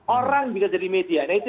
orang juga jadi media